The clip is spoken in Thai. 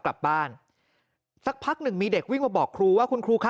กลับบ้านสักพักหนึ่งมีเด็กวิ่งมาบอกครูว่าคุณครูคะ